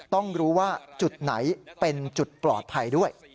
ต้องรู้ว่าจุดไหนเป็นจุดปลอดภัยด้วย